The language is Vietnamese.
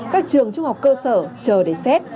các trường trung học cơ sở chờ để xét